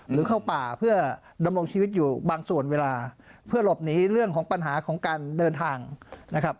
หรือเข้าป่าเพื่อดำรงชีวิตอยู่บางส่วนเวลาเพื่อหลบหนีเรื่องของปัญหาของการเดินทางนะครับ